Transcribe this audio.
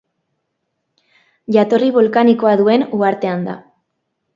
Jatorri bolkanikoa duen uhartean da.